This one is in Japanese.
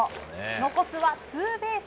残すはツーベース。